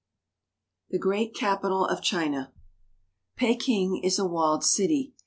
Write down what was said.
THE GREAT CAPITAL OF CHINA PEKING is a walled city.